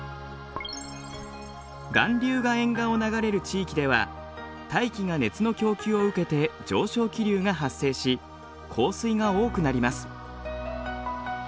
暖流が沿岸を流れる地域では大気が熱の供給を受けて上昇気流が発生し降水が多くなります。